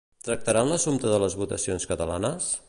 Tractaran l'assumpte de les votacions catalanes?